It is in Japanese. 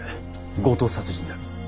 強盗殺人だ。